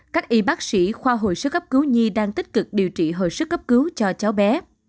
các y bác sĩ khoa hồi sức gấp cứu nhi đang tích cực điều trị hồi sức cấp cứu cho cháu bé